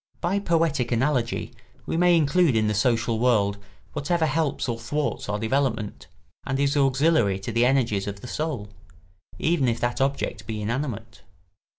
By poetic analogy we may include in the social world whatever helps or thwarts our development, and is auxiliary to the energies of the soul, even if that object be inanimate.